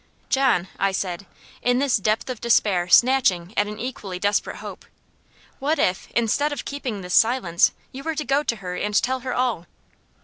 "John," I said, in this depth of despair snatching at an equally desperate hope, "what if, instead of keeping this silence, you were to go to her and tell her all?"